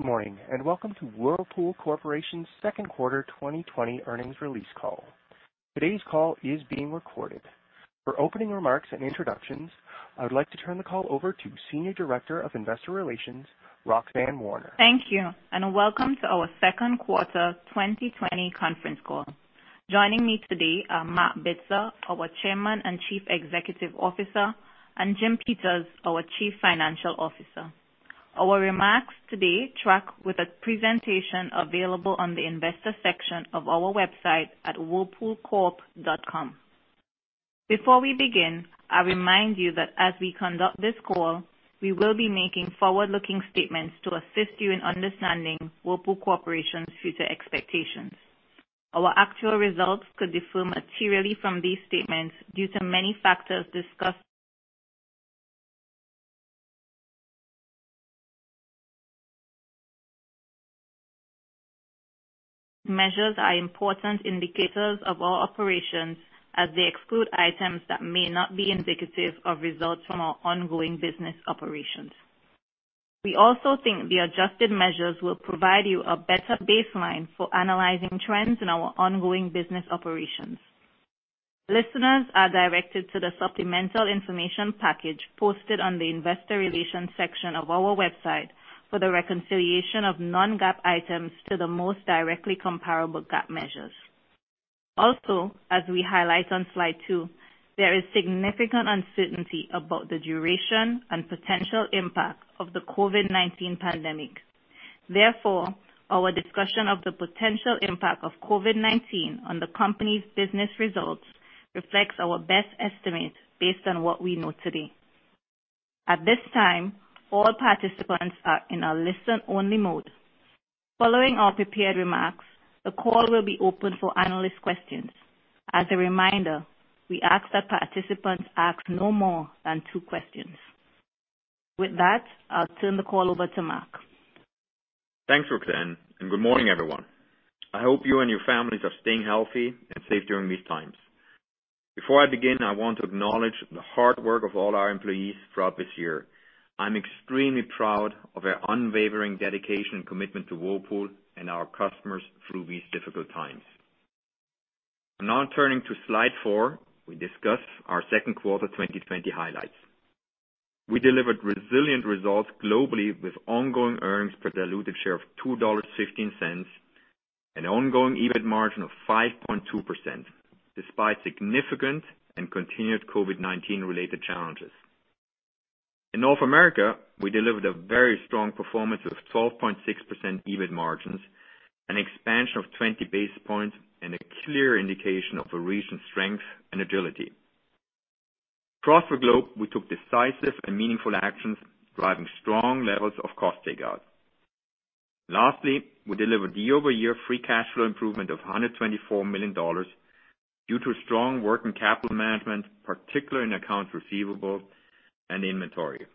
Good morning, and welcome to Whirlpool Corporation's second quarter 2020 earnings release call. Today's call is being recorded. For opening remarks and introductions, I would like to turn the call over to Senior Director of Investor Relations, Roxanne Warner. Thank you, and welcome to our second quarter 2020 conference call. Joining me today are Marc Bitzer, our Chairman and Chief Executive Officer, and Jim Peters, our Chief Financial Officer. Our remarks today track with a presentation available on the investor section of our website at whirlpoolcorp.com. Before we begin, I remind you that as we conduct this call, we will be making forward-looking statements to assist you in understanding Whirlpool Corporation's future expectations. Our actual results could differ materially from these statements due to many factors discussed. Measures are important indicators of our operations as they exclude items that may not be indicative of results from our ongoing business operations. We also think the adjusted measures will provide you a better baseline for analyzing trends in our ongoing business operations. Listeners are directed to the supplemental information package posted on the investor relations section of our website for the reconciliation of non-GAAP items to the most directly comparable GAAP measures. Also, as we highlight on slide two, there is significant uncertainty about the duration and potential impact of the COVID-19 pandemic. Therefore, our discussion of the potential impact of COVID-19 on the company's business results reflects our best estimate based on what we know today. At this time, all participants are in a listen-only mode. Following our prepared remarks, the call will be open for analyst questions. As a reminder, we ask that participants ask no more than two questions. With that, I'll turn the call over to Marc. Thanks, Roxanne. Good morning, everyone. I hope you and your families are staying healthy and safe during these times. Before I begin, I want to acknowledge the hard work of all our employees throughout this year. I'm extremely proud of their unwavering dedication and commitment to Whirlpool and our customers through these difficult times. Turning to slide four, we discuss our second quarter 2020 highlights. We delivered resilient results globally with ongoing earnings per diluted share of $2.15, an ongoing EBIT margin of 5.2%, despite significant and continued COVID-19 related challenges. In North America, we delivered a very strong performance with 12.6% EBIT margins, an expansion of 20 basis points, and a clear indication of the region's strength and agility. Across the globe, we took decisive and meaningful actions, driving strong levels of cost takeouts. We delivered year-over-year free cash flow improvement of $124 million due to strong working capital management, particularly in accounts receivable and inventory.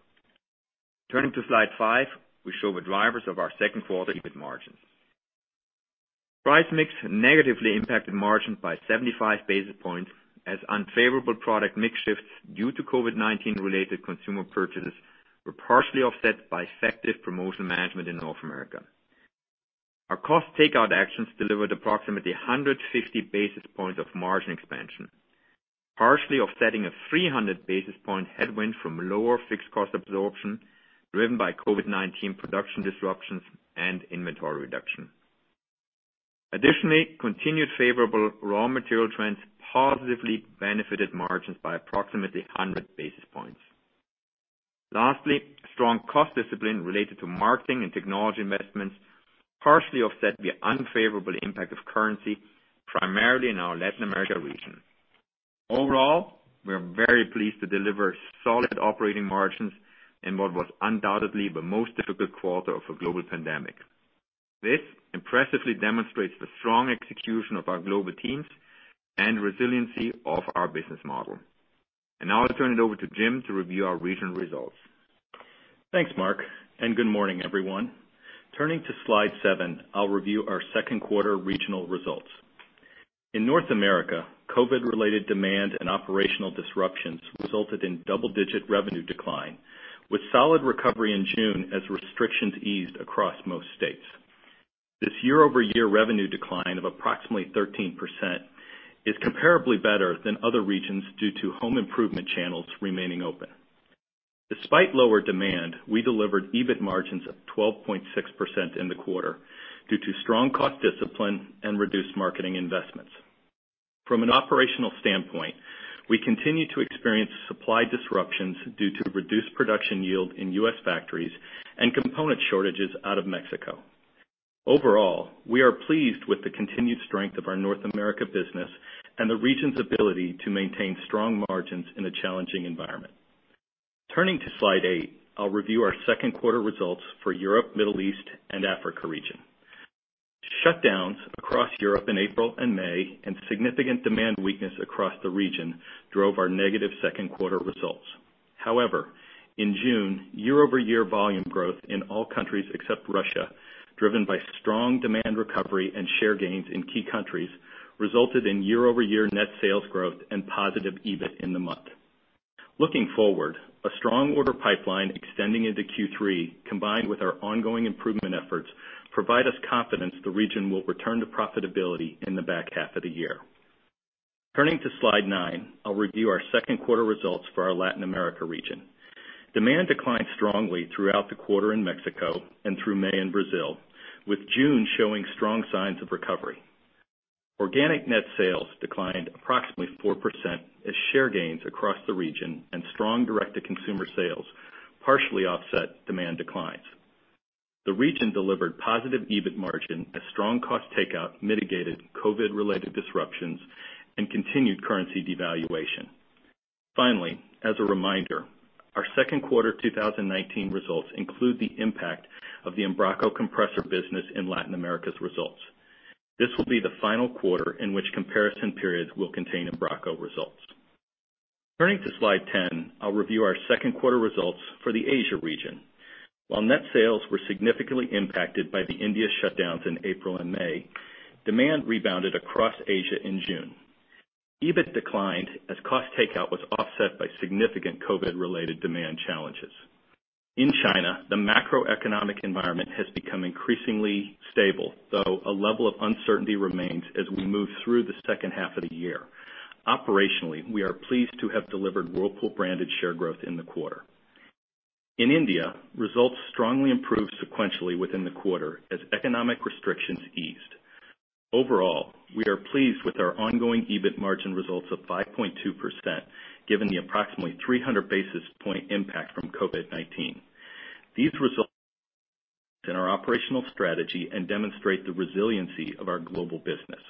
Turning to slide five, we show the drivers of our second quarter EBIT margins. Price mix negatively impacted margins by 75 basis points, as unfavorable product mix shifts due to COVID-19 related consumer purchases were partially offset by effective promotion management in North America. Our cost takeout actions delivered approximately 150 basis points of margin expansion, partially offsetting a 300 basis points headwind from lower fixed cost absorption driven by COVID-19 production disruptions and inventory reduction. Continued favorable raw material trends positively benefited margins by approximately 100 basis points. Strong cost discipline related to marketing and technology investments partially offset the unfavorable impact of currency, primarily in our Latin America region. Overall, we are very pleased to deliver solid operating margins in what was undoubtedly the most difficult quarter of a global pandemic. This impressively demonstrates the strong execution of our global teams and resiliency of our business model. Now I'll turn it over to Jim to review our regional results. Thanks, Marc. Good morning, everyone. Turning to slide seven, I'll review our second quarter regional results. In North America, COVID-related demand and operational disruptions resulted in double-digit revenue decline, with solid recovery in June as restrictions eased across most states. This year-over-year revenue decline of approximately 13% is comparably better than other regions due to home improvement channels remaining open. Despite lower demand, we delivered EBIT margins of 12.6% in the quarter due to strong cost discipline and reduced marketing investments. From an operational standpoint, we continue to experience supply disruptions due to reduced production yield in U.S. factories and component shortages out of Mexico. Overall, we are pleased with the continued strength of our North America business and the region's ability to maintain strong margins in a challenging environment. Turning to slide eight, I'll review our second quarter results for Europe, Middle East, and Africa region. Shutdowns across Europe in April and May, and significant demand weakness across the region drove our negative second quarter results. However, in June, year-over-year volume growth in all countries except Russia, driven by strong demand recovery and share gains in key countries, resulted in year-over-year net sales growth and positive EBIT in the month. Looking forward, a strong order pipeline extending into Q3, combined with our ongoing improvement efforts, provide us confidence the region will return to profitability in the back half of the year. Turning to slide nine, I'll review our second quarter results for our Latin America region. Demand declined strongly throughout the quarter in Mexico and through May in Brazil, with June showing strong signs of recovery. Organic net sales declined approximately 4% as share gains across the region and strong direct-to-consumer sales partially offset demand declines. The region delivered positive EBIT margin as strong cost takeout mitigated COVID-related disruptions and continued currency devaluation. Finally, as a reminder, our second quarter 2019 results include the impact of the Embraco compressor business in Latin America's results. This will be the final quarter in which comparison periods will contain Embraco results. Turning to slide 10, I'll review our second quarter results for the Asia region. While net sales were significantly impacted by the India shutdowns in April and May, demand rebounded across Asia in June. EBIT declined as cost takeout was offset by significant COVID-related demand challenges. In China, the macroeconomic environment has become increasingly stable, though a level of uncertainty remains as we move through the second half of the year. Operationally, we are pleased to have delivered Whirlpool-branded share growth in the quarter. In India, results strongly improved sequentially within the quarter as economic restrictions eased. Overall, we are pleased with our ongoing EBIT margin results of 5.2%, given the approximately 300 basis points impact from COVID-19. These results in our operational strategy and demonstrate the resiliency of our global business.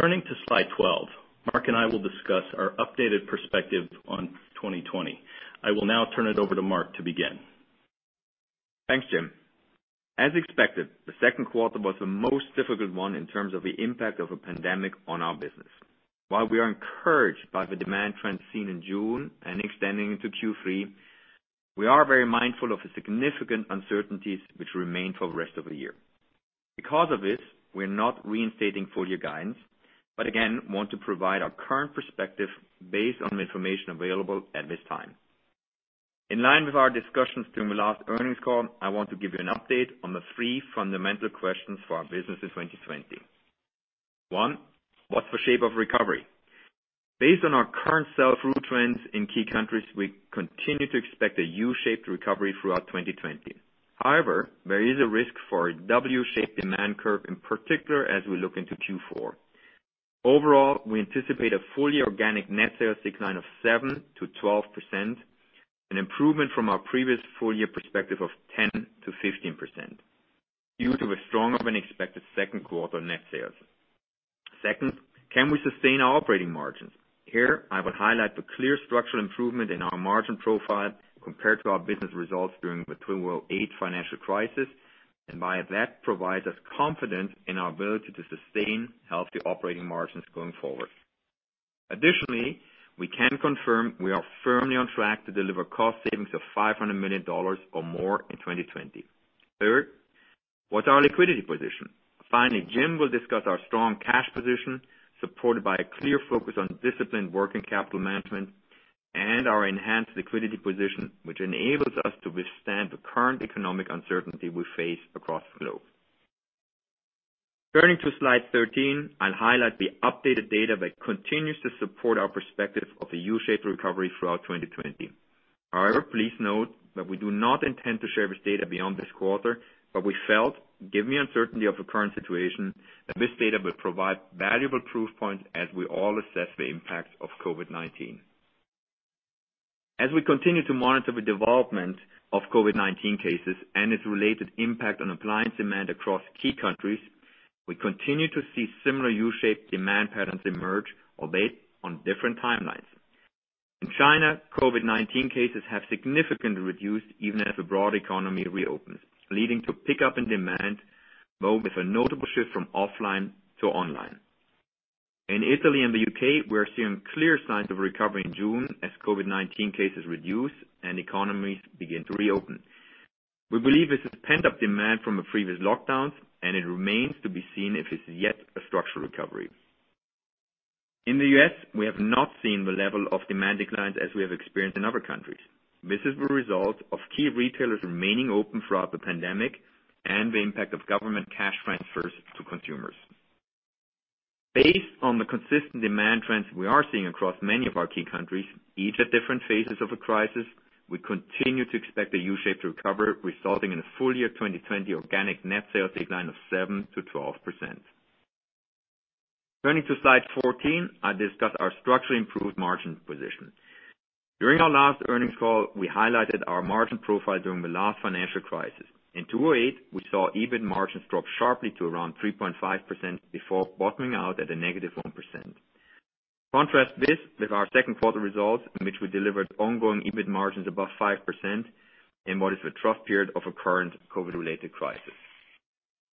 Turning to slide 12, Marc and I will discuss our updated perspective on 2020. I will now turn it over to Marc to begin. Thanks, Jim. As expected, the second quarter was the most difficult one in terms of the impact of a pandemic on our business. While we are encouraged by the demand trends seen in June and extending into Q3, we are very mindful of the significant uncertainties which remain for the rest of the year. Because of this, again, want to provide our current perspective based on the information available at this time. In line with our discussions during the last earnings call, I want to give you an update on the three fundamental questions for our business in 2020. One, what's the shape of recovery? Based on our current sell-through trends in key countries, we continue to expect a U-shaped recovery throughout 2020. However, there is a risk for a W-shaped demand curve, in particular, as we look into Q4. Overall, we anticipate a full-year organic net sales decline of 7%-12%, an improvement from our previous full-year perspective of 10%-15%, due to a stronger than expected second quarter net sales. Second, can we sustain our operating margins? Here, I would highlight the clear structural improvement in our margin profile compared to our business results during the 2008 financial crisis, and by that provides us confidence in our ability to sustain healthy operating margins going forward. Additionally, we can confirm we are firmly on track to deliver cost savings of $500 million or more in 2020. Third, what's our liquidity position? Finally, Jim will discuss our strong cash position, supported by a clear focus on disciplined working capital management and our enhanced liquidity position, which enables us to withstand the current economic uncertainty we face across the globe. Turning to slide 13, I'll highlight the updated data that continues to support our perspective of a U-shaped recovery throughout 2020. However, please note that we do not intend to share this data beyond this quarter, but we felt, given the uncertainty of the current situation, that this data will provide valuable proof points as we all assess the impact of COVID-19. As we continue to monitor the development of COVID-19 cases and its related impact on appliance demand across key countries, we continue to see similar U-shaped demand patterns emerge, albeit on different timelines. In China, COVID-19 cases have significantly reduced even as the broad economy reopens, leading to pickup in demand, though with a notable shift from offline to online. In Italy and the U.K., we are seeing clear signs of recovery in June as COVID-19 cases reduce and economies begin to reopen. We believe this is pent-up demand from the previous lockdowns, and it remains to be seen if it's yet a structural recovery. In the U.S., we have not seen the level of demand declines as we have experienced in other countries. This is the result of key retailers remaining open throughout the pandemic and the impact of government cash transfers to consumers. Based on the consistent demand trends we are seeing across many of our key countries, each at different phases of the crisis, we continue to expect a U-shaped recovery, resulting in a full-year 2020 organic net sales decline of 7%-12%. Turning to slide 14, I discuss our structurally improved margin position. During our last earnings call, we highlighted our margin profile during the last financial crisis. In 2008, we saw EBIT margins drop sharply to around 3.5% before bottoming out at a -1%. Contrast this with our second quarter results, in which we delivered ongoing EBIT margins above 5% in what is the trough period of a current COVID-related crisis.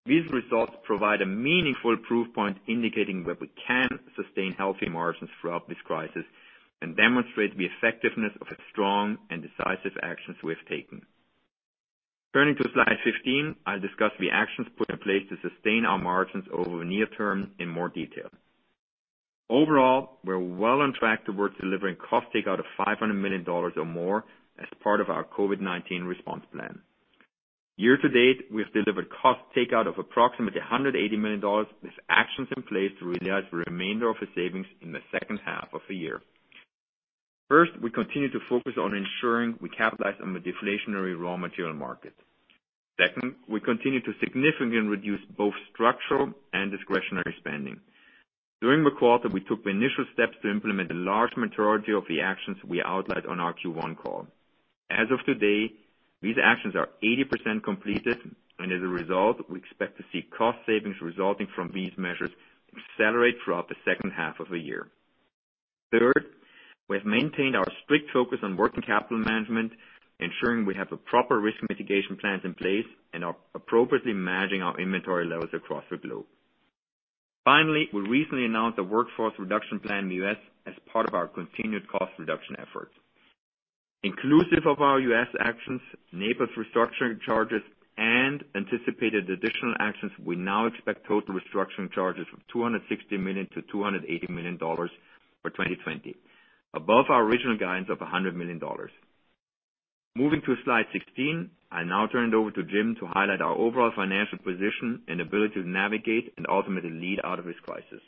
These results provide a meaningful proof point indicating that we can sustain healthy margins throughout this crisis and demonstrate the effectiveness of the strong and decisive actions we have taken. Turning to slide 15, I'll discuss the actions put in place to sustain our margins over the near term in more detail. Overall, we're well on track towards delivering cost takeout of $500 million or more as part of our COVID-19 response plan. Year to date, we have delivered cost takeout of approximately $180 million, with actions in place to realize the remainder of the savings in the second half of the year. First, we continue to focus on ensuring we capitalize on the deflationary raw material market. Second, we continue to significantly reduce both structural and discretionary spending. During the quarter, we took the initial steps to implement the large majority of the actions we outlined on our Q1 call. As of today, these actions are 80% completed, and as a result, we expect to see cost savings resulting from these measures accelerate throughout the second half of the year. Third, we have maintained our strict focus on working capital management, ensuring we have the proper risk mitigation plans in place and are appropriately managing our inventory levels across the globe. Finally, we recently announced a workforce reduction plan in the U.S. as part of our continued cost reduction efforts. Inclusive of our U.S. actions, Naples restructuring charges, and anticipated additional actions, we now expect total restructuring charges from $260 million-$280 million for 2020, above our original guidance of $100 million. Moving to slide 16. I now turn it over to Jim to highlight our overall financial position and ability to navigate and ultimately lead out of this crisis.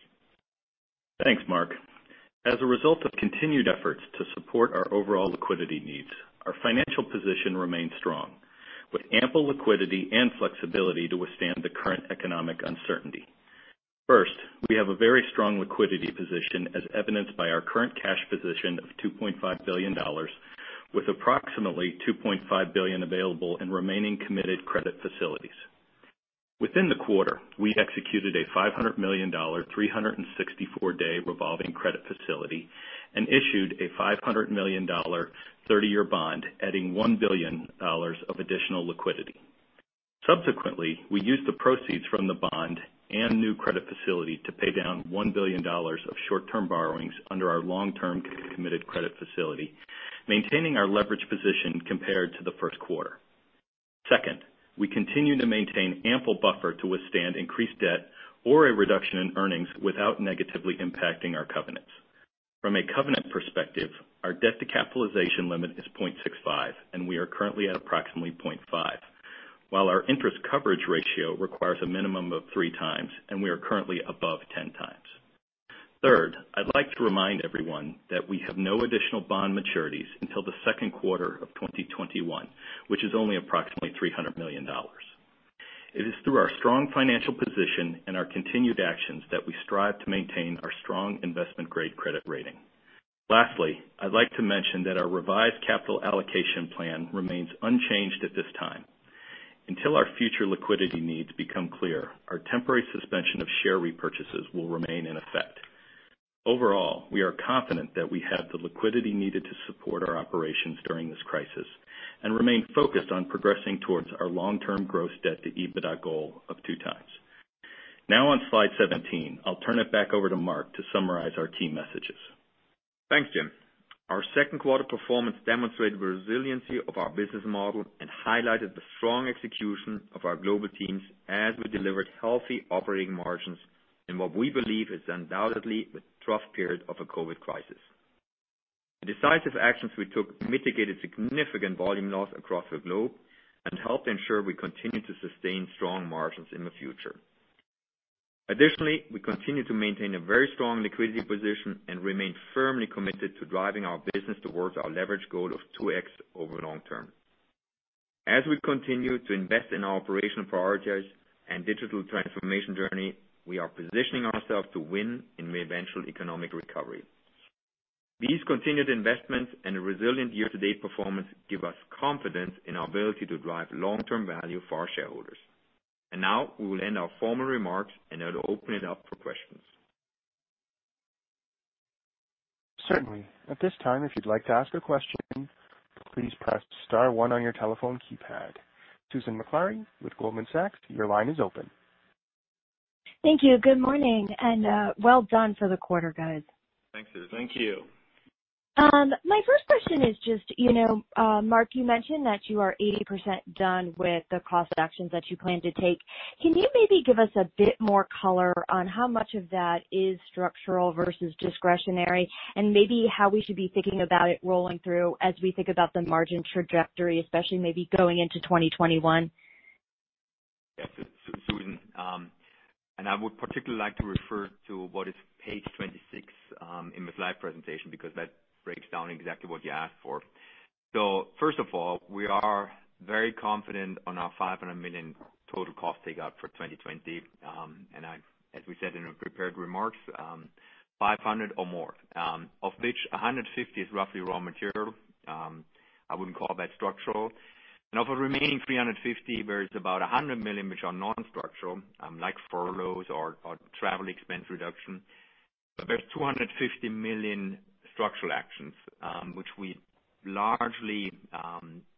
Thanks, Marc. As a result of continued efforts to support our overall liquidity needs, our financial position remains strong, with ample liquidity and flexibility to withstand the current economic uncertainty. First, we have a very strong liquidity position, as evidenced by our current cash position of $2.5 billion, with approximately $2.5 billion available in remaining committed credit facilities. Within the quarter, we executed a $500 million 364-day revolving credit facility and issued a $500 million 30-year bond, adding $1 billion of additional liquidity. Subsequently, we used the proceeds from the bond and new credit facility to pay down $1 billion of short-term borrowings under our long-term committed credit facility, maintaining our leverage position compared to the first quarter. Second, we continue to maintain ample buffer to withstand increased debt or a reduction in earnings without negatively impacting our covenants. From a covenant perspective, our debt-to-capitalization limit is 0.65, and we are currently at approximately 0.5, while our interest coverage ratio requires a minimum of three times, and we are currently above 10 times. Third, I'd like to remind everyone that we have no additional bond maturities until Q2 2021, which is only approximately $300 million. It is through our strong financial position and our continued actions that we strive to maintain our strong investment-grade credit rating. Lastly, I'd like to mention that our revised capital allocation plan remains unchanged at this time. Until our future liquidity needs become clear, our temporary suspension of share repurchases will remain in effect. Overall, we are confident that we have the liquidity needed to support our operations during this crisis and remain focused on progressing towards our long-term gross debt to EBITDA goal of two times. Now on slide 17, I'll turn it back over to Marc to summarize our key messages. Thanks, Jim. Our second quarter performance demonstrated the resiliency of our business model and highlighted the strong execution of our global teams as we delivered healthy operating margins in what we believe is undoubtedly the trough period of the COVID crisis. The decisive actions we took mitigated significant volume loss across the globe and helped ensure we continue to sustain strong margins in the future. Additionally, we continue to maintain a very strong liquidity position and remain firmly committed to driving our business towards our leverage goal of 2x over the long term. As we continue to invest in our operational priorities and digital transformation journey, we are positioning ourselves to win in the eventual economic recovery. These continued investments and resilient year-to-date performance give us confidence in our ability to drive long-term value for our shareholders. Now, we will end our formal remarks and open it up for questions. Certainly. At this time, if you'd like to ask a question, please press star one on your telephone keypad. Susan Maklari with Goldman Sachs, your line is open. Thank you. Good morning, and well done for the quarter, guys. Thanks, Susan. Thank you. My first question is just, Marc, you mentioned that you are 80% done with the cost actions that you plan to take. Can you maybe give us a bit more color on how much of that is structural versus discretionary, and maybe how we should be thinking about it rolling through as we think about the margin trajectory, especially maybe going into 2021? Yes, Susan. I would particularly like to refer to what is page 26 in the slide presentation, because that breaks down exactly what you asked for. First of all, we are very confident on our $500 million total cost takeout for 2020. As we said in our prepared remarks, $500 or more, of which $150 is roughly raw material. I wouldn't call that structural. Of the remaining $350, there is about $100 million which are non-structural, like furloughs or travel expense reduction. There's $250 million structural actions, which we largely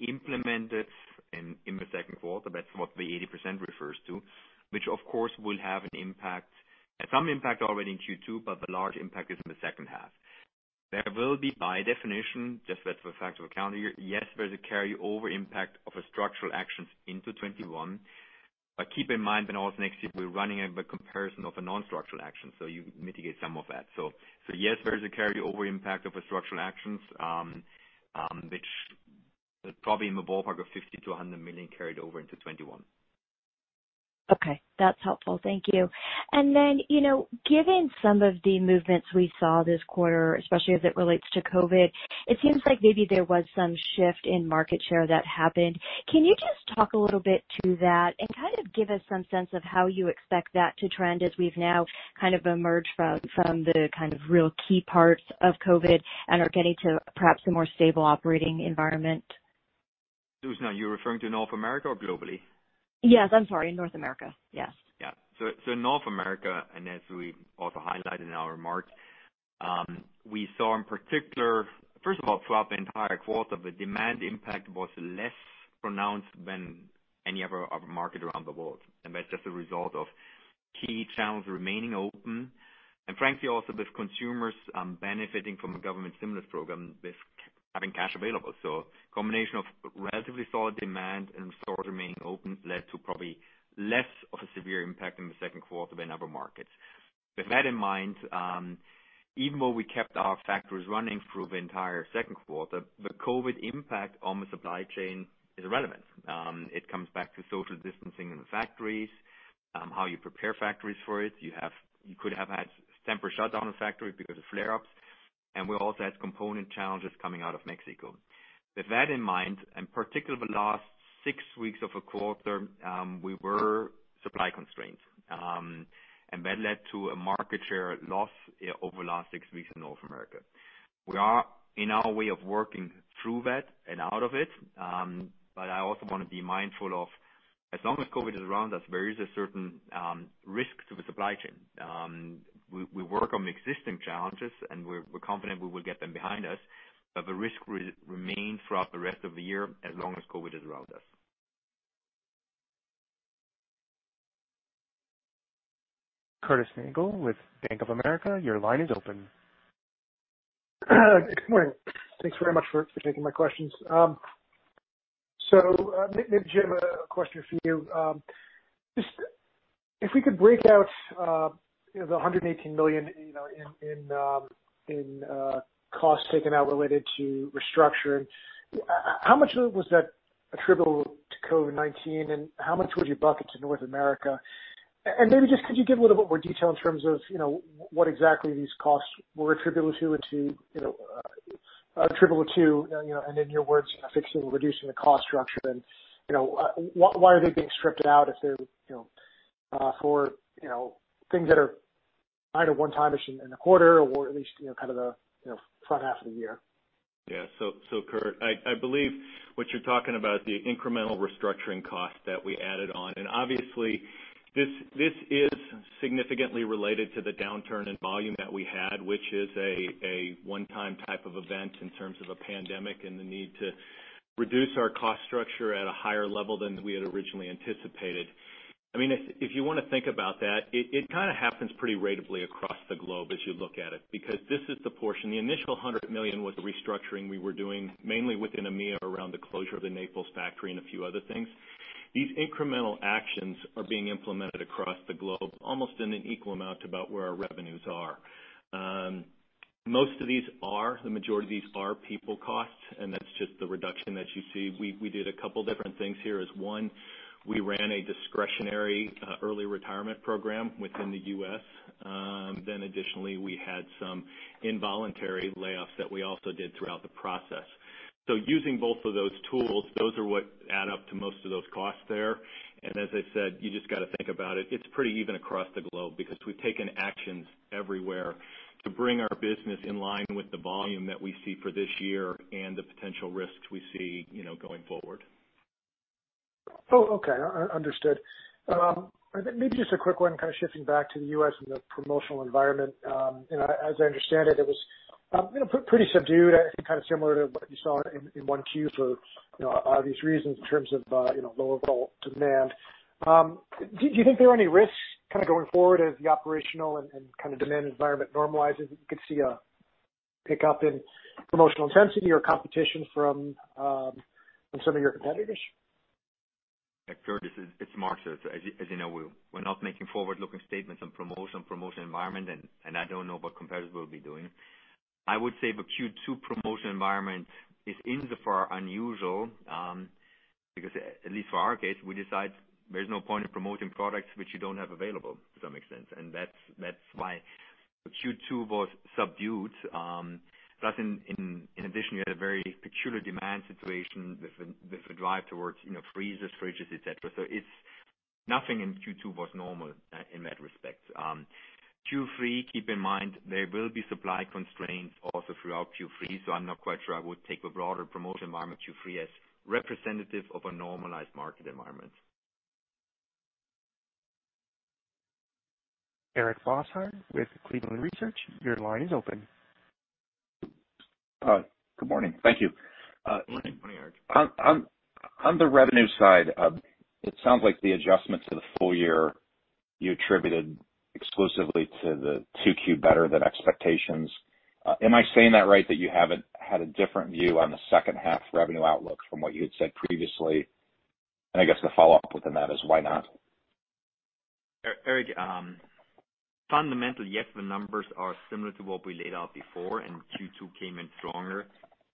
implemented in the second quarter. That's what the 80% refers to, which, of course, will have some impact already in Q2, but the large impact is in the second half. There will be by definition, just that's a fact of accounting, yes, there's a carryover impact of structural actions into 2021. Keep in mind that also next year we're running a comparison of a non-structural action, so you mitigate some of that. Yes, there is a carryover impact of structural actions, which is probably in the ballpark of $50 million-$100 million carried over into 2021. Okay. That's helpful. Thank you. Given some of the movements we saw this quarter, especially as it relates to COVID, it seems like maybe there was some shift in market share that happened. Can you just talk a little bit to that and kind of give us some sense of how you expect that to trend as we've now kind of emerged from the kind of real key parts of COVID and are getting to perhaps a more stable operating environment? Susan, are you referring to North America or globally? Yes. I'm sorry, North America. Yes. Yeah. North America, as we also highlighted in our remarks, we saw First of all, throughout the entire quarter, the demand impact was less pronounced than any other of the market around the world. That's just a result of key channels remaining open, and frankly also with consumers benefiting from a government stimulus program, with having cash available. A combination of relatively solid demand and stores remaining open led to probably less of a severe impact in the second quarter than other markets. With that in mind, even though we kept our factories running through the entire second quarter, the COVID impact on the supply chain is relevant. It comes back to social distancing in the factories, how you prepare factories for it. You could have had temporary shutdown of factories because of flare-ups, we also had component challenges coming out of Mexico. With that in mind, and particularly the last six weeks of the quarter, we were supply constrained, and that led to a market share loss over the last six weeks in North America. We are in our way of working through that and out of it, but I also want to be mindful of, as long as COVID is around us, there is a certain risk to the supply chain. We work on existing challenges, and we're confident we will get them behind us, but the risk will remain throughout the rest of the year as long as COVID is around us. Curtis Nagle with Bank of America, your line is open. Good morning. Thanks very much for taking my questions. Maybe, Jim, a question for you? Just if we could break out the $180 million in costs taken out related to restructuring, how much of it was that attributable to COVID-19, and how much would you bucket to North America? Maybe just could you give a little bit more detail in terms of what exactly these costs were attributable to and in your words, fixing, reducing the cost structure? Why are they being stripped out if they're for things that are either one-time issue in the quarter or at least, kind of the front half of the year? Curtis, I believe what you're talking about the incremental restructuring cost that we added on, obviously this is significantly related to the downturn in volume that we had, which is a one-time type of event in terms of a pandemic and the need to reduce our cost structure at a higher level than we had originally anticipated. If you want to think about that, it kind of happens pretty ratably across the globe as you look at it, because this is the portion. The initial $100 million was the restructuring we were doing mainly within EMEA, around the closure of the Naples factory and a few other things. These incremental actions are being implemented across the globe, almost in an equal amount to about where our revenues are. The majority of these are people costs, that's just the reduction that you see. We did a couple of different things here, as one, we ran a Discretionary Early Retirement Program within the U.S. Additionally, we had some involuntary layoffs that we also did throughout the process. Using both of those tools, those are what add up to most of those costs there. As I said, you just got to think about it. It's pretty even across the globe because we've taken actions everywhere to bring our business in line with the volume that we see for this year and the potential risks we see going forward. Okay. Understood. Maybe just a quick one, kind of shifting back to the U.S. and the promotional environment. As I understand it was pretty subdued, I think kind of similar to what you saw in Q1 for obvious reasons in terms of low overall demand. Do you think there are any risks kind of going forward as the operational and kind of demand environment normalizes, you could see a pickup in promotional intensity or competition from some of your competitors? Curtis, it's Marc. As you know, we're not making forward-looking statements on promotion environment, and I don't know what competitors will be doing. I would say the Q2 promotion environment is in so far unusual, because at least for our case, we decide there's no point in promoting products which you don't have available, if that makes sense. That's why Q2 was subdued. In addition, you had a very peculiar demand situation with the drive towards freezers, fridges, et cetera. Nothing in Q2 was normal in that respect. Q3, keep in mind, there will be supply constraints also throughout Q3, so I'm not quite sure I would take the broader promotion environment Q3 as representative of a normalized market environment. Eric Bosshard with Cleveland Research, your line is open. Good morning. Thank you. Good morning, Eric. On the revenue side, it sounds like the adjustments to the full year, you attributed exclusively to the 2Q better than expectations. Am I saying that right, that you haven't had a different view on the second half revenue outlook from what you had said previously? I guess the follow-up within that is, why not? Eric, fundamental, yes, the numbers are similar to what we laid out before, and Q2 came in stronger.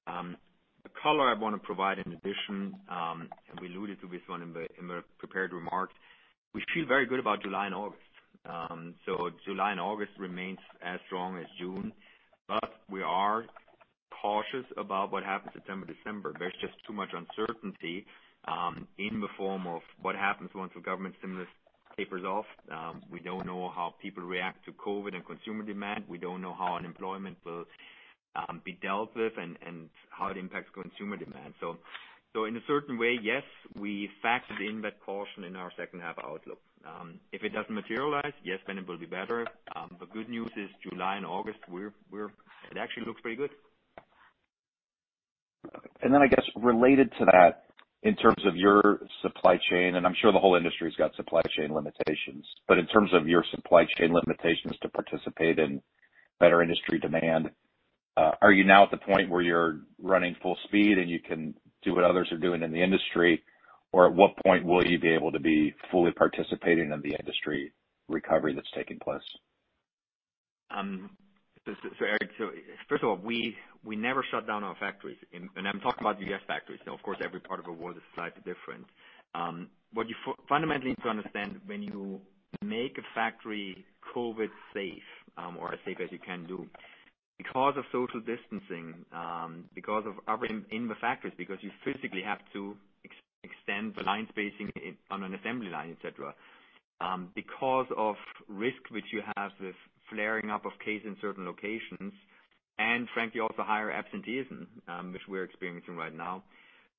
The color I want to provide in addition, and we alluded to this one in the prepared remarks, we feel very good about July and August. July and August remains as strong as June, but we are cautious about what happens September, December. There's just too much uncertainty, in the form of what happens once the government stimulus tapers off. We don't know how people react to COVID and consumer demand. We don't know how unemployment will be dealt with and how it impacts consumer demand. In a certain way, yes, we factored in that caution in our second half outlook. If it doesn't materialize, yes, then it will be better. The good news is July and August, it actually looks pretty good. I guess related to that, in terms of your supply chain, and I am sure the whole industry has got supply chain limitations. In terms of your supply chain limitations to participate in better industry demand, are you now at the point where you are running full speed and you can do what others are doing in the industry? At what point will you be able to be fully participating in the industry recovery that is taking place? Eric, first of all, we never shut down our factories. I'm talking about the U.S. factories. Of course, every part of the world is slightly different. What you fundamentally need to understand when you make a factory COVID safe, or as safe as you can do. Because of social distancing, because of operating in the factories, because you physically have to extend the line spacing on an assembly line, et cetera. Because of risk, which you have with flaring up of cases in certain locations, and frankly, also higher absenteeism, which we're experiencing right now.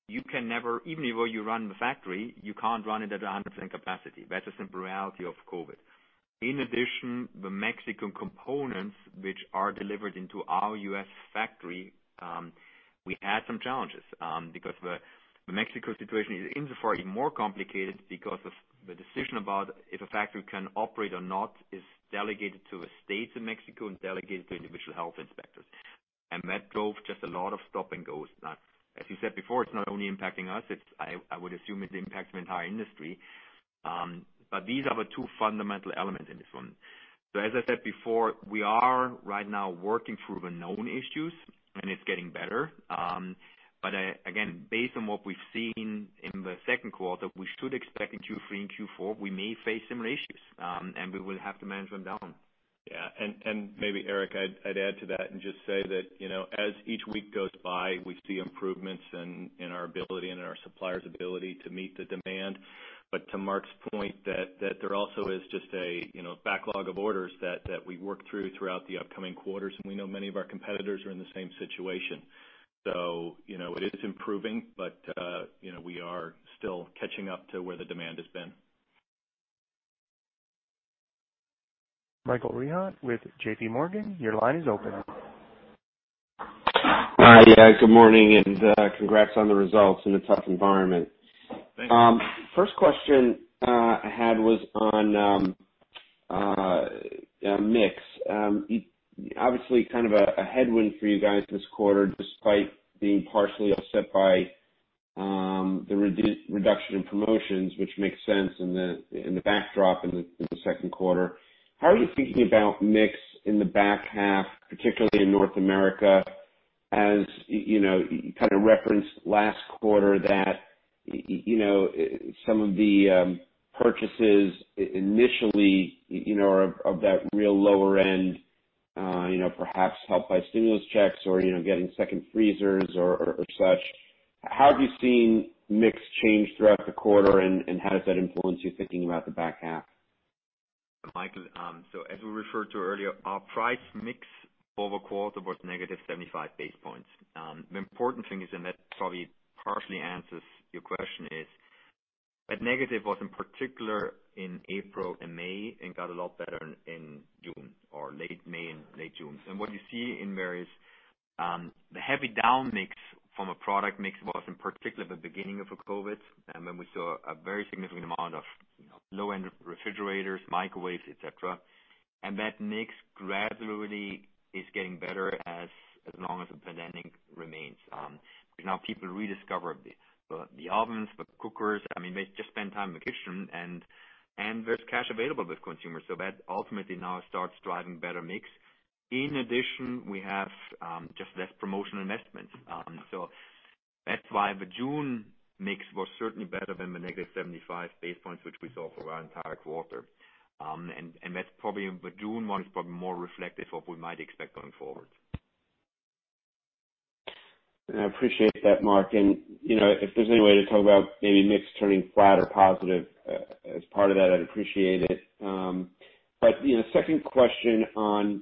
You can never, even if you run the factory, you can't run it at 100% capacity. That's the simple reality of COVID. In addition, the Mexican components which are delivered into our U.S. factory, we had some challenges. The Mexico situation is insofar even more complicated because of the decision about if a factory can operate or not is delegated to the states in Mexico and delegated to individual health inspectors. That drove just a lot of stop and go's. As you said before, it's not only impacting us, I would assume it impacts the entire industry. These are the two fundamental elements in this one. As I said before, we are right now working through the known issues, and it's getting better. Again, based on what we've seen in the second quarter, we should expect in Q3 and Q4, we may face similar issues. We will have to manage them down. Yeah. Maybe Eric, I'd add to that and just say that, as each week goes by, we see improvements in our ability and in our suppliers' ability to meet the demand. To Marc's point that, there also is just a backlog of orders that, we work through throughout the upcoming quarters. We know many of our competitors are in the same situation. It is improving, but we are still catching up to where the demand has been. Michael Rehaut with JPMorgan, your line is open. Hi. Yeah, good morning and congrats on the results in a tough environment. Thank you. First question, I had was on mix. Obviously kind of a headwind for you guys this quarter, despite being partially offset by the reduction in promotions, which makes sense in the backdrop in the second quarter. How are you thinking about mix in the back half, particularly in North America, as you kind of referenced last quarter that some of the purchases initially are of that real lower end perhaps helped by stimulus checks or getting second freezers or such. How have you seen mix change throughout the quarter and how does that influence your thinking about the back half? Michael, as we referred to earlier, our price mix over quarter was negative 75 basis points. The important thing is, that probably partially answers your question is, that negative was in particular in April and May, and got a lot better in June or late May and late June. What you see in there is, the heavy down-mix from a product mix was in particular the beginning of COVID. Then we saw a very significant amount of low-end refrigerators, microwaves, et cetera. That mix gradually is getting better as long as the pandemic remains. Now people rediscover the ovens, the cookers. They just spend time in the kitchen and there's cash available with consumers. That ultimately now starts driving better mix. In addition, we have just less promotional investments. That's why the June mix was certainly better than the negative 75 basis points, which we saw for our entire quarter. That's probably the June one is probably more reflective of what we might expect going forward. I appreciate that, Marc. If there's any way to talk about maybe mix turning flat or positive, as part of that, I'd appreciate it. Second question on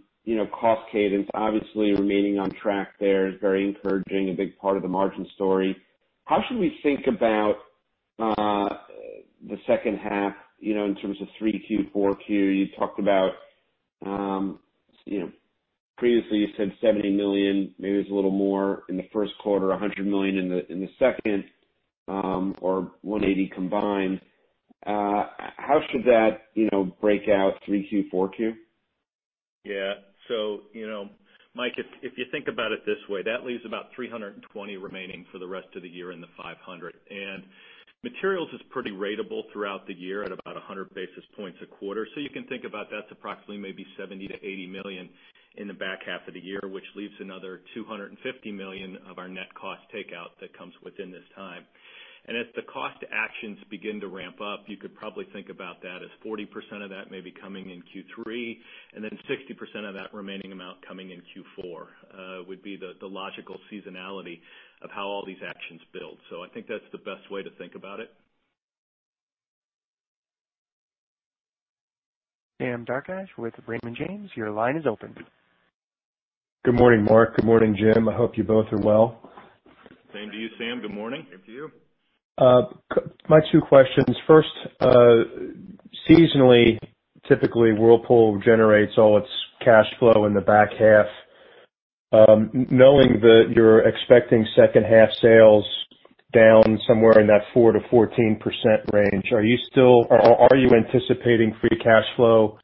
cost cadence. Obviously remaining on track there is very encouraging, a big part of the margin story. How should we think about the second half, in terms of 3Q, 4Q, previously you said $70 million, maybe it was a little more in the first quarter, $100 million in the second, or $180 million combined. How should that break out 3Q, 4Q? Yeah. Mike, if you think about it this way, that leaves about $320 million remaining for the rest of the year in the $500 million. Materials is pretty ratable throughout the year at about 100 basis points a quarter. You can think about that's approximately maybe $70 million-$80 million in the back half of the year, which leaves another $250 million of our net cost takeout that comes within this time. As the cost actions begin to ramp up, you could probably think about that as 40% of that may be coming in Q3, 60% of that remaining amount coming in Q4, would be the logical seasonality of how all these actions build. I think that's the best way to think about it. Sam Darkatsh with Raymond James. Your line is open. Good morning, Marc. Good morning, Jim. I hope you both are well. Same to you, Sam. Good morning. Same to you. My two questions. First, seasonally, typically, Whirlpool generates all its cash flow in the back half. Knowing that you're expecting second half sales down somewhere in that 4%-14% range, are you anticipating free cash flow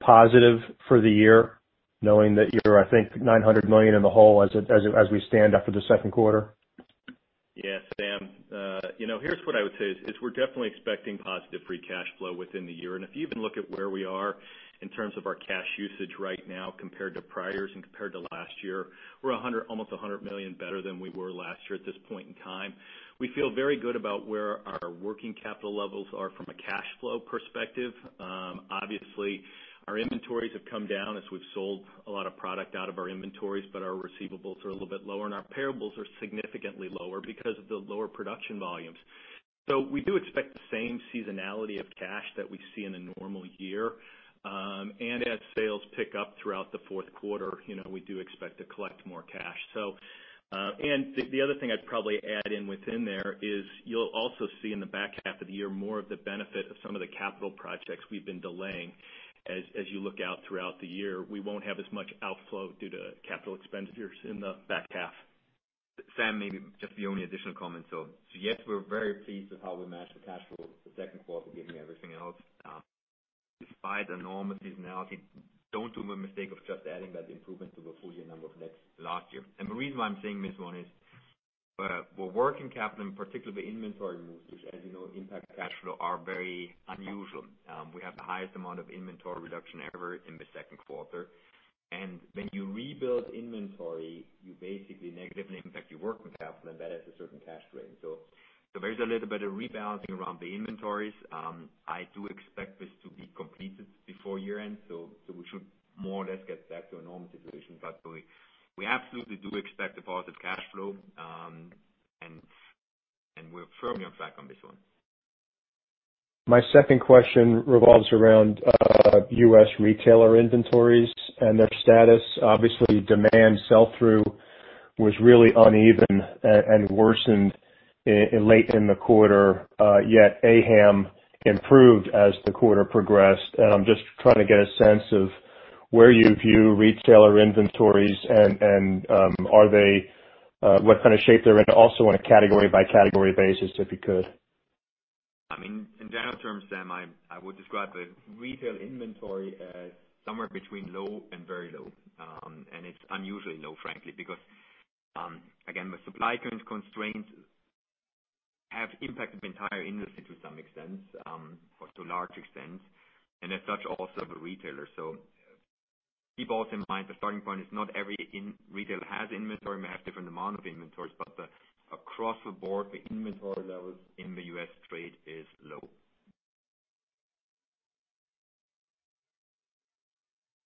positive for the year, knowing that you're, I think, $900 million in the hole as we stand after the second quarter? Yeah, Sam. Here's what I would say, is we're definitely expecting positive free cash flow within the year. If you even look at where we are in terms of our cash usage right now compared to priors and compared to last year, we're almost $100 million better than we were last year at this point in time. We feel very good about where our working capital levels are from a cash flow perspective. Obviously, our inventories have come down as we've sold a lot of product out of our inventories, our receivables are a little bit lower, and our payables are significantly lower because of the lower production volumes. We do expect the same seasonality of cash that we see in a normal year. As sales pick up throughout the fourth quarter, we do expect to collect more cash. The other thing I'd probably add in within there is you'll also see in the back half of the year more of the benefit of some of the capital projects we've been delaying. As you look out throughout the year, we won't have as much outflow due to capital expenditures in the back half. Sam, maybe just the only additional comment. Yes, we're very pleased with how we managed the cash flow for the second quarter given everything else. Despite the normal seasonality, don't do the mistake of just adding that improvement to the full year number of last year. The reason why I'm saying this one is, our working capital, and particularly the inventory moves, which as you know impact cash flow, are very unusual. We have the highest amount of inventory reduction ever in the second quarter. When you rebuild inventory, you basically negatively impact your working capital, and that has a certain cash drain. There's a little bit of rebalancing around the inventories. I do expect this to be completed before year-end, so we should more or less get back to a normal situation. We absolutely do expect a positive cash flow, and we're firmly on track on this one. My second question revolves around U.S. retailer inventories and their status. Obviously, demand sell-through was really uneven and worsened late in the quarter, yet AHAM improved as the quarter progressed. I'm just trying to get a sense of where you view retailer inventories and what kind of shape they're in, also on a category by category basis, if you could. In general terms, Sam, I would describe the retail inventory as somewhere between low and very low. It's unusually low, frankly, because, again, the supply constraints have impacted the entire industry to some extent, or to a large extent, and as such, also the retailers. Keep also in mind, the starting point is not every retailer has inventory, may have different amount of inventories, but across the board, the inventory levels in the U.S. trade is low.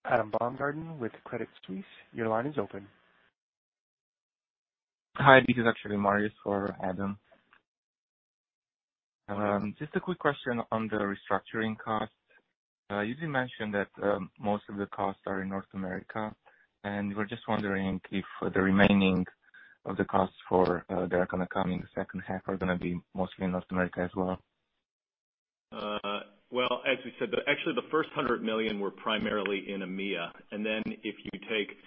Adam Baumgarten with Credit Suisse, your line is open. Hi, this is actually Marius for Adam. Just a quick question on the restructuring costs. You did mention that most of the costs are in North America, we're just wondering if the remaining of the costs that are going to come in the second half are going to be mostly in North America as well. Well, as we said, actually, the first $100 million were primarily in EMEA. Then if you take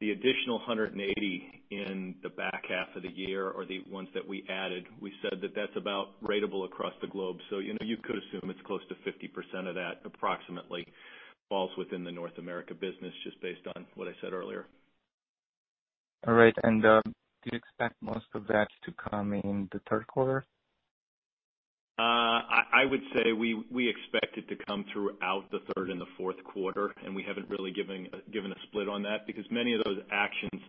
the additional $180 million in the back half of the year or the ones that we added, we said that that's about ratable across the globe. You could assume it's close to 50% of that approximately falls within the North America business, just based on what I said earlier. All right. Do you expect most of that to come in the third quarter? I would say we expect it to come throughout the third and the fourth quarter, and we haven't really given a split on that because many of those actions,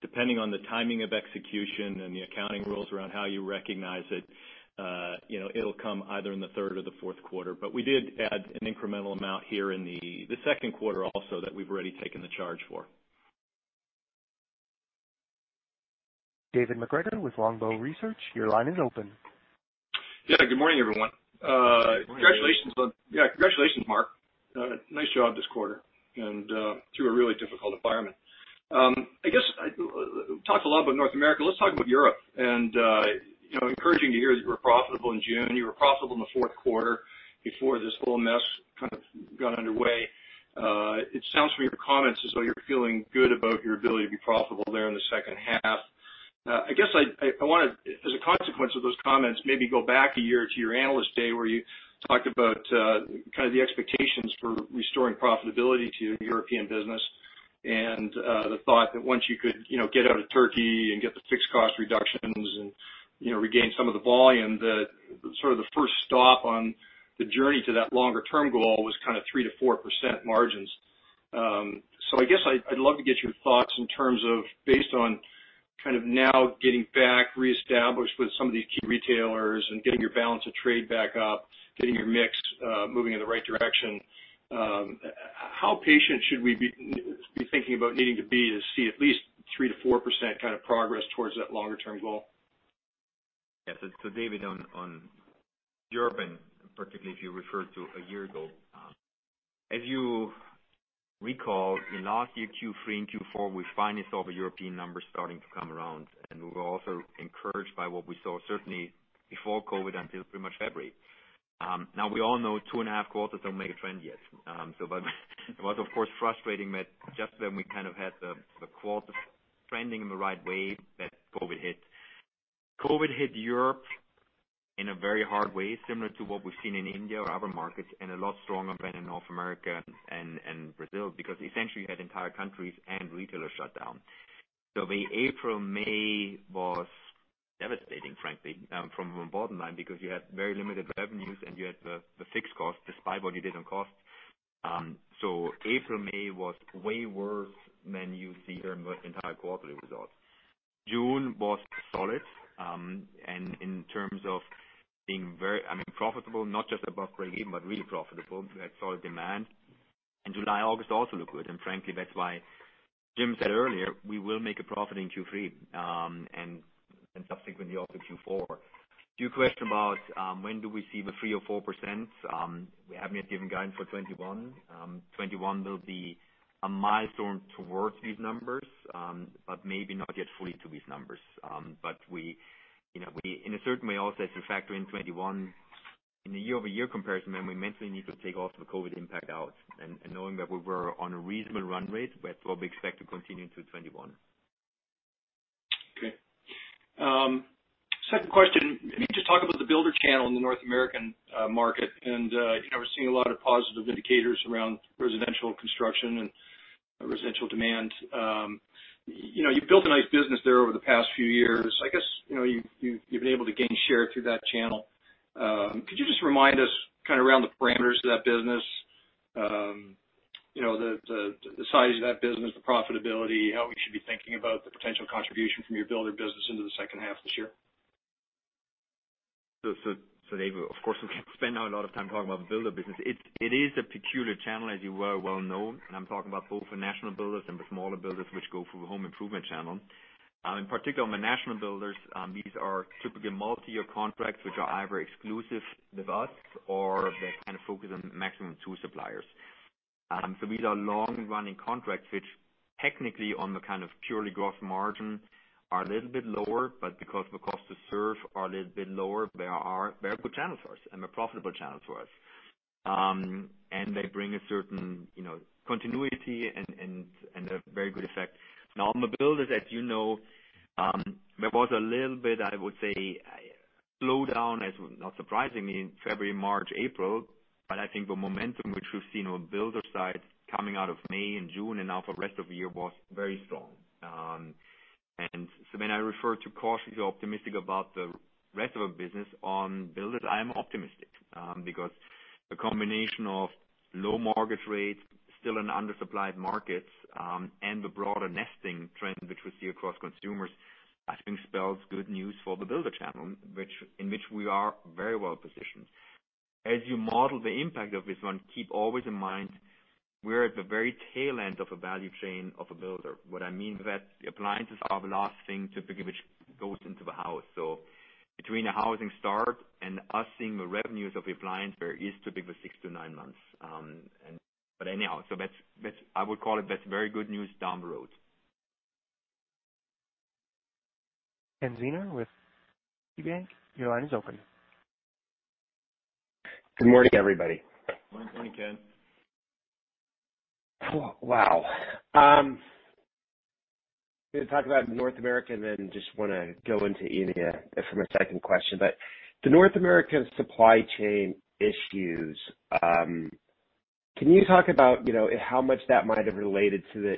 depending on the timing of execution and the accounting rules around how you recognize it'll come either in the third or the fourth quarter. We did add an incremental amount here in the second quarter also that we've already taken the charge for. David MacGregor with Longbow Research, your line is open. Good morning, everyone. Yeah. Congratulations, Marc. Nice job this quarter and through a really difficult environment. I guess, we talked a lot about North America. Let's talk about Europe, and encouraging to hear that you were profitable in June. You were profitable in the fourth quarter before this whole mess got underway. It sounds from your comments as though you're feeling good about your ability to be profitable there in the second half. I guess I want to, as a consequence of those comments, maybe go back one year to your analyst day, where you talked about the expectations for restoring profitability to your European business and the thought that once you could get out of Turkey and get the fixed cost reductions and regain some of the volume, that the first stop on the journey to that longer-term goal was 3%-4% margins. I guess I'd love to get your thoughts in terms of based on now getting back re-established with some of these key retailers and getting your balance of trade back up, getting your mix moving in the right direction. How patient should we be thinking about needing to be to see at least 3%-4% progress towards that longer-term goal? Yes. David, on European, particularly if you refer to a year ago. As you recall, in last year Q3 and Q4, we finally saw the European numbers starting to come around, and we were also encouraged by what we saw, certainly before COVID-19, until pretty much February. We all know two and a half quarters don't make a trend yet. It was, of course, frustrating that just when we had the quarters trending in the right way, that COVID hit. COVID hit Europe in a very hard way, similar to what we've seen in India or other markets, and a lot stronger than in North America and Brazil, because essentially you had entire countries and retailers shut down. The April, May was devastating, frankly, from a bottom line, because you had very limited revenues and you had the fixed cost despite what you did on cost. April, May was way worse than you see here in the entire quarterly results. June was solid, in terms of being very profitable, not just above break even, but really profitable. We had solid demand. July, August also look good, frankly, that's why Jim said earlier, we will make a profit in Q3, subsequently also Q4. To your question about, when do we see the 3% or 4%? We haven't yet given guidance for 2021. 2021 will be a milestone towards these numbers, maybe not yet fully to these numbers. We, in a certain way also, as we factor in 2021 in the year-over-year comparison, then we mentally need to take all of the COVID impact out and knowing that we were on a reasonable run rate, but what we expect to continue into 2021. Okay. Second question, can you just talk about the builder channel in the North American market? We're seeing a lot of positive indicators around residential construction and residential demand. You've built a nice business there over the past few years. I guess, you've been able to gain share through that channel. Could you just remind us around the parameters of that business? The size of that business, the profitability, how we should be thinking about the potential contribution from your builder business into the second half of this year. David, of course, we can spend now a lot of time talking about the builder business. It is a peculiar channel, as you well know, and I'm talking about both the national builders and the smaller builders, which go through the home improvement channel. In particular, on the national builders, these are typically multi-year contracts, which are either exclusive with us or they focus on maximum two suppliers. These are long-running contracts, which technically on the purely gross margin are a little bit lower, but because the cost to serve are a little bit lower, they are very good channels for us and they're profitable channels for us. They bring a certain continuity and a very good effect. On the builders, as you know, there was a little bit, I would say, a slowdown as not surprising in February, March, April. I think the momentum which we've seen on builder side coming out of May and June and now for rest of the year was very strong. When I refer to cautiously optimistic about the rest of our business on builders, I am optimistic. The combination of low mortgage rates, still an undersupplied market, and the broader nesting trend which we see across consumers, I think spells good news for the builder channel, in which we are very well positioned. As you model the impact of this one, keep always in mind, we're at the very tail end of a value chain of a builder. What I mean is that the appliances are the last thing, typically, which goes into the house. Between the housing start and us seeing the revenues of the appliance, there is typically six to nine months. Anyhow, I would call it, that's very good news down the road. Kenneth Zener with KeyBank, your line is open. Good morning, everybody. Morning, Ken. Wow. We can talk about North America, and then just want to go into India for my second question, but the North American supply chain issues, can you talk about how much that might have related to the,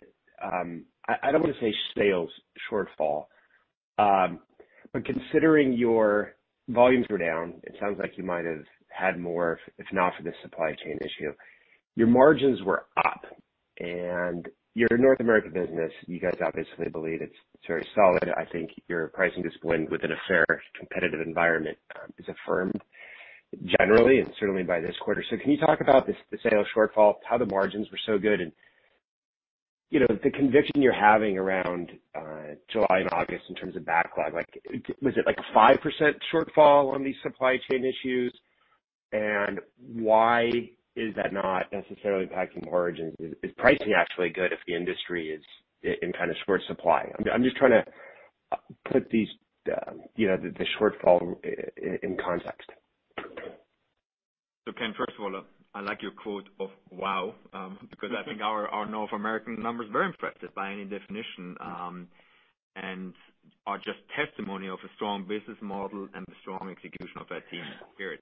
I don't want to say sales shortfall. Considering your volumes were down, it sounds like you might have had more if not for the supply chain issue. Your margins were up and your North America business, you guys obviously believe it's very solid. I think your pricing discipline within a fair competitive environment is affirmed generally and certainly by this quarter. Can you talk about the sales shortfall, how the margins were so good, and the conviction you're having around July and August in terms of backlog, was it like a 5% shortfall on these supply chain issues? Why is that not necessarily impacting margins? Is pricing actually good if the industry is in short supply? I'm just trying to put the shortfall in context. Ken, first of all, I like your quote of "Wow," because I think our North American numbers very impressive by any definition, and are just testimony of a strong business model and the strong execution of that team, period.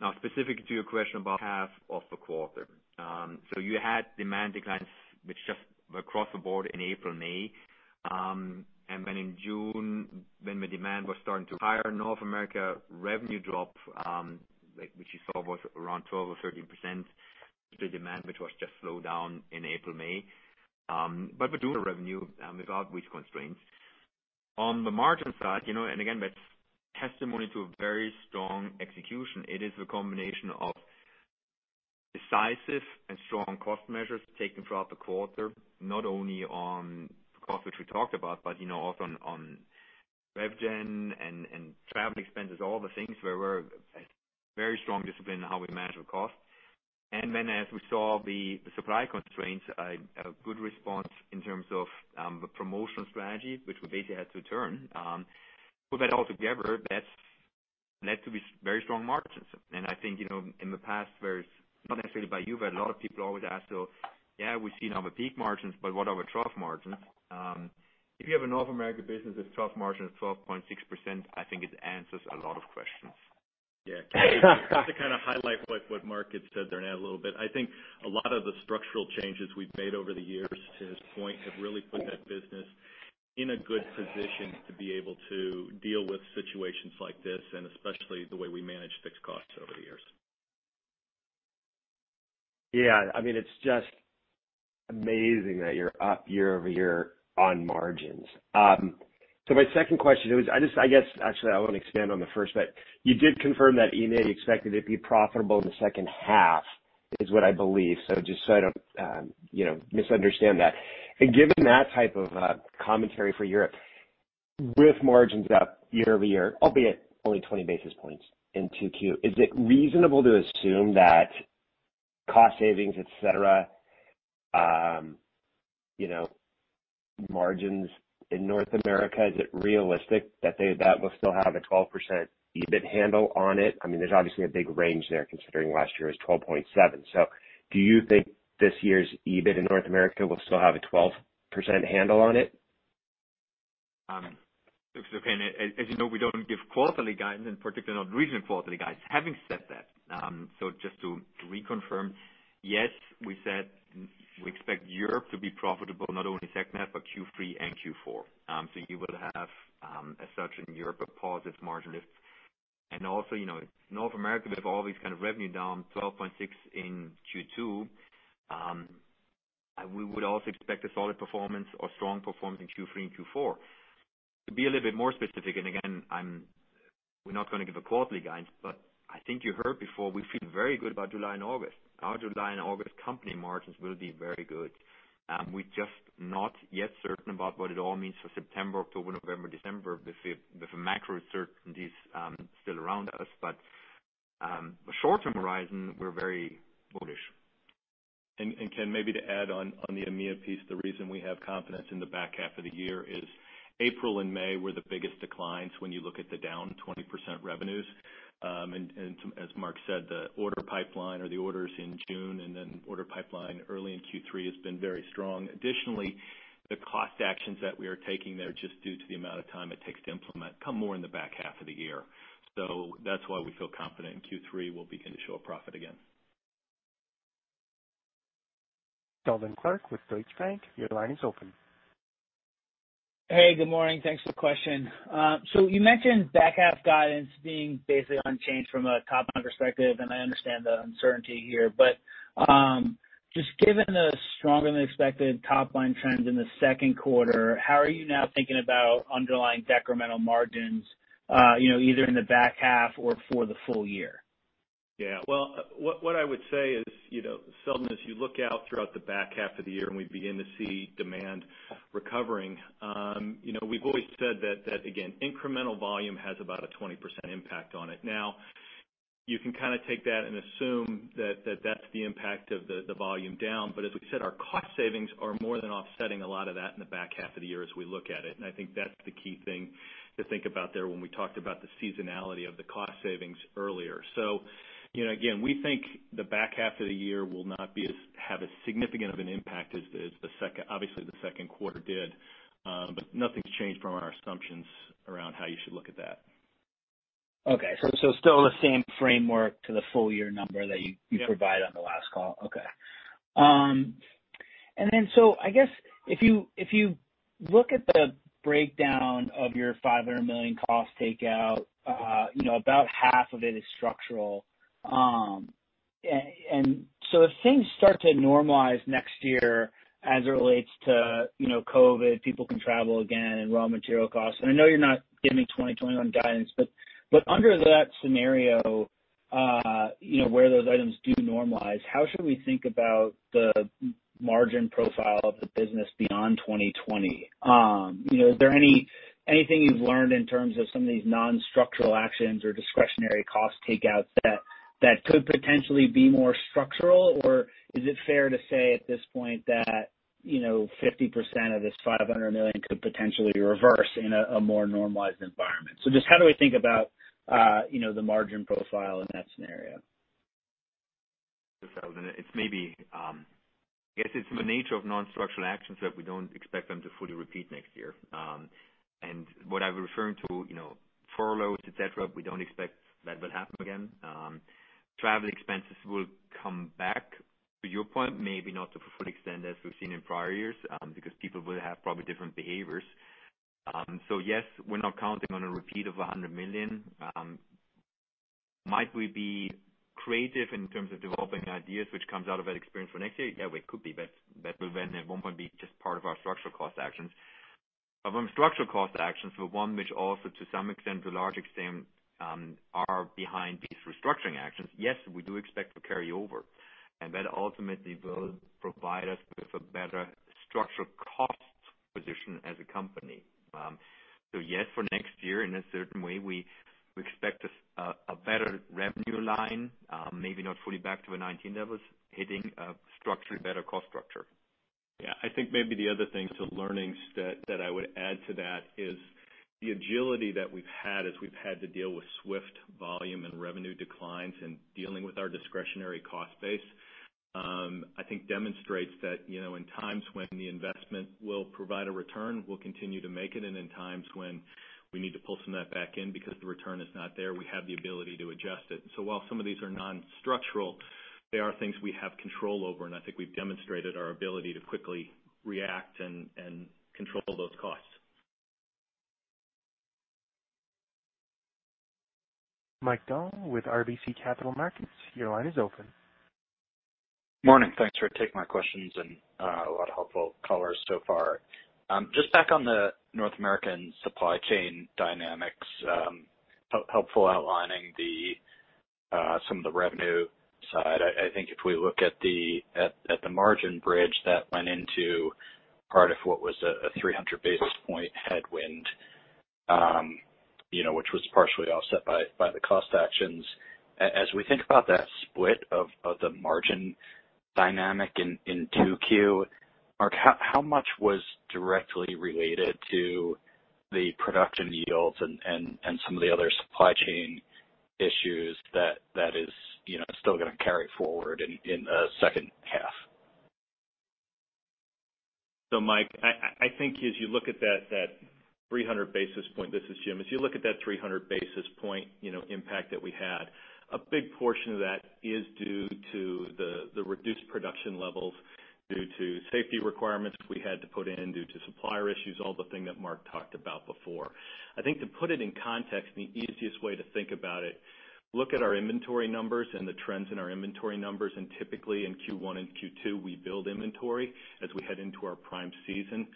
Now, specific to your question about half of the quarter. You had demand declines, which just were across the board in April, May. Then in June, when the demand was starting to higher North America revenue drop, which you saw was around 12% or 13%, the demand, which was just slowed down in April, May. We're doing the revenue, without which constraints. On the margin side, again, that's testimony to a very strong execution. It is the combination of decisive and strong cost measures taken throughout the quarter, not only on the cost which we talked about, but also on rev gen and travel expenses, all the things where we're at very strong discipline in how we manage the cost. As we saw the supply constraints, a good response in terms of the promotional strategy, which we basically had to turn. Put that all together, that led to be very strong margins. I think, in the past, where it's not necessarily by you, but a lot of people always ask, "Yeah, we've seen our peak margins, but what are our trough margins?" If you have a North American business with trough margin of 12.6%, I think it answers a lot of questions. Yeah. Just to kind of highlight what Marc said there and add a little bit. I think a lot of the structural changes we've made over the years, to his point, have really put that business in a good position to be able to deal with situations like this, and especially the way we manage fixed costs over the years. Yeah. It's just amazing that you're up year-over-year on margins. My second question was, I guess, actually, I want to expand on the first, but you did confirm that EMEA expected to be profitable in the second half, is what I believe. Just so I don't misunderstand that. Given that type of commentary for Europe, with margins up year-over-year, albeit only 20 basis points in 2Q, is it reasonable to assume that cost savings, et cetera, margins in North America, is it realistic that will still have a 12% EBIT handle on it? There's obviously a big range there considering last year was 12.7%. Do you think this year's EBIT in North America will still have a 12% handle on it? As you know, we don't give quarterly guidance, and particularly not regional quarterly guidance. Having said that, just to reconfirm, yes, we said we expect Europe to be profitable, not only second half, but Q3 and Q4. You will have, as such, in Europe, a positive margin lift. Also, North America, with all these kind of revenue down 12.6 in Q2, we would also expect a solid performance or strong performance in Q3 and Q4. To be a little bit more specific, again, we're not going to give a quarterly guidance, I think you heard before, we feel very good about July and August. Our July and August company margins will be very good. We're just not yet certain about what it all means for September, October, November, December with the macro uncertainties still around us. Short-term horizon, we're very bullish. Ken, maybe to add on the EMEA piece, the reason we have confidence in the back half of the year is April and May were the biggest declines when you look at the down 20% revenues. As Marc said, the order pipeline or the orders in June and then order pipeline early in Q3 has been very strong. Additionally, the cost actions that we are taking there, just due to the amount of time it takes to implement, come more in the back half of the year. That's why we feel confident in Q3 we'll begin to show a profit again. Seldon Clarke with Deutsche Bank, your line is open. Hey, good morning. Thanks for the question. You mentioned back half guidance being basically unchanged from a top-line perspective, and I understand the uncertainty here. Just given the stronger than expected top-line trends in the second quarter, how are you now thinking about underlying decremental margins, either in the back half or for the full year? Yeah. Well, what I would say is, Seldon, as you look out throughout the back half of the year and we begin to see demand recovering, we've always said that, again, incremental volume has about a 20% impact on it. You can take that and assume that that's the impact of the volume down. As we said, our cost savings are more than offsetting a lot of that in the back half of the year as we look at it. I think that's the key thing to think about there when we talked about the seasonality of the cost savings earlier. Again, we think the back half of the year will not have as significant of an impact as obviously the second quarter did. Nothing's changed from our assumptions around how you should look at that. Okay. Still the same framework to the full year number that you provided on the last call? Yeah. Okay. I guess if you look at the breakdown of your $500 million cost takeout, about half of it is structural. If things start to normalize next year as it relates to COVID, people can travel again and raw material costs, and I know you're not giving 2021 guidance, but under that scenario where those items do normalize, how should we think about the margin profile of the business beyond 2020? Is there anything you've learned in terms of some of these non-structural actions or discretionary cost takeouts that could potentially be more structural? Is it fair to say at this point that 50% of this $500 million could potentially reverse in a more normalized environment? Just how do we think about the margin profile in that scenario? I guess it's the nature of non-structural actions that we don't expect them to fully repeat next year. What I was referring to, furloughs, et cetera, we don't expect that will happen again. Travel expenses will come back. To your point, maybe not to the full extent as we've seen in prior years, because people will have probably different behaviors. Yes, we're not counting on a repeat of $100 million. Might we be creative in terms of developing ideas which comes out of that experience for next year? Yeah, we could be, but that will then at one point be just part of our structural cost actions. From structural cost actions, the one which also to some extent, to a large extent, are behind these restructuring actions, yes, we do expect to carry over. That ultimately will provide us with a better structural cost position as a company. Yes, for next year, in a certain way, we expect a better revenue line, maybe not fully back to the 2019 levels, hitting a better cost structure. Yeah, I think maybe the other thing to learnings that I would add to that is the agility that we've had as we've had to deal with swift volume and revenue declines and dealing with our discretionary cost base, I think demonstrates that, in times when the investment will provide a return, we'll continue to make it. In times when we need to pull some of that back in because the return is not there, we have the ability to adjust it. While some of these are non-structural, they are things we have control over, and I think we've demonstrated our ability to quickly react and control those costs. Mike Dahl with RBC Capital Markets, your line is open. Morning. Thanks for taking my questions, a lot of helpful colors so far. Just back on the North American supply chain dynamics. Helpful outlining some of the revenue side. I think if we look at the margin bridge that went into part of what was a 300 basis points headwind, which was partially offset by the cost actions. As we think about that split of the margin dynamic in 2Q, Marc, how much was directly related to the production yields and some of the other supply chain issues that is still going to carry forward in the second half? Mike, I think as you look at that 300 basis points. This is Jim. As you look at that 300 basis points impact that we had, a big portion of that is due to the reduced production levels due to safety requirements we had to put in due to supplier issues, all the thing that Marc talked about before. I think to put it in context, the easiest way to think about it, look at our inventory numbers and the trends in our inventory numbers, and typically in Q1 and Q2, we build inventory as we head into our prime season.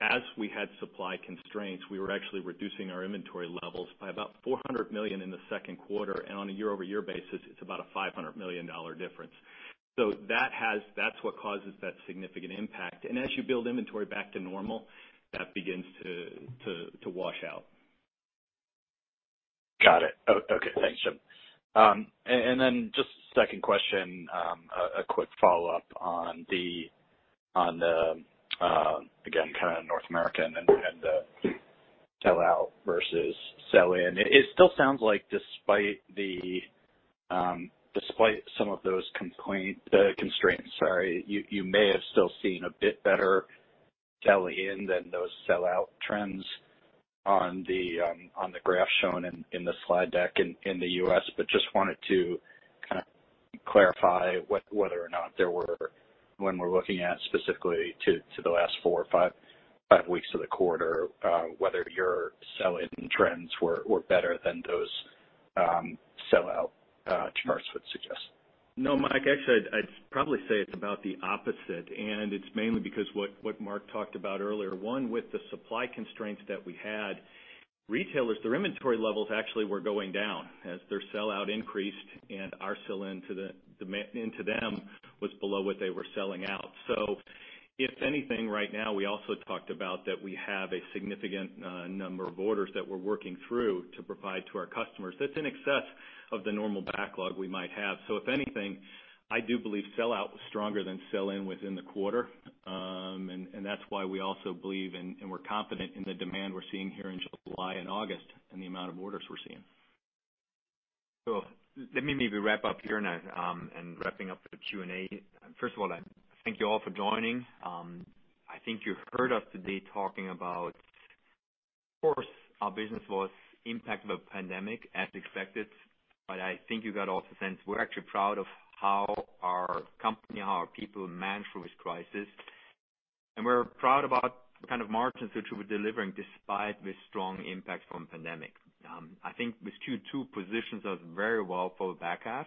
As we had supply constraints, we were actually reducing our inventory levels by about $400 million in the second quarter, and on a year-over-year basis, it's about a $500 million difference. That's what causes that significant impact. As you build inventory back to normal, that begins to wash out. Got it. Okay, thanks, Jim. Just second question, a quick follow-up on the, again, kind of North American and the sell out versus sell in. It still sounds like despite some of those constraints, you may have still seen a bit better sell in than those sell out trends on the graph shown in the slide deck in the U.S., just wanted to kind of clarify whether or not there were, when we're looking at specifically to the last four or five weeks of the quarter, whether your sell in trends were better than those sell out charts would suggest. No, Mike, actually, I'd probably say it's about the opposite. It's mainly because what Marc talked about earlier. One, with the supply constraints that we had, retailers, their inventory levels actually were going down as their sell out increased and our sell in to them was below what they were selling out. If anything, right now, we also talked about that we have a significant number of orders that we're working through to provide to our customers that's in excess of the normal backlog we might have. If anything, I do believe sell out was stronger than sell in within the quarter. That's why we also believe and we're confident in the demand we're seeing here in July and August and the amount of orders we're seeing. Let me maybe wrap up here, and wrapping up the Q&A. First of all, thank you all for joining. I think you heard us today talking about, of course, our business was impacted by the pandemic as expected, but I think you got also a sense we're actually proud of how our company, how our people managed through this crisis. We're proud about the kind of margins which we're delivering despite the strong impact from pandemic. I think with Q2 positions us very well for the back half,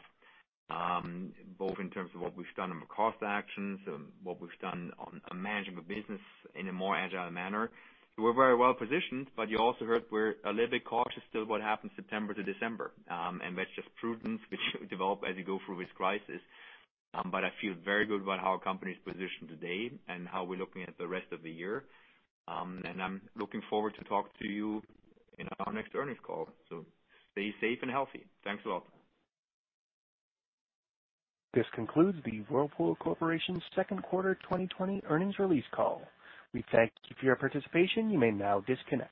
both in terms of what we've done on the cost actions and what we've done on managing the business in a more agile manner. We're very well positioned, you also heard we're a little bit cautious still what happens September to December, that's just prudence which you develop as you go through this crisis. I feel very good about how our company's positioned today and how we're looking at the rest of the year. I'm looking forward to talk to you in our next earnings call. Stay safe and healthy. Thanks a lot. This concludes the Whirlpool Corporation's second quarter 2020 earnings release call. We thank you for your participation. You may now disconnect.